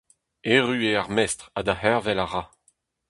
Erru eo ar Mestr ha da c’hervel a ra.